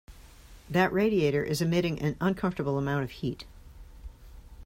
That radiator is emitting an uncomfortable amount of heat.